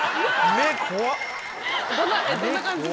どんな感じで？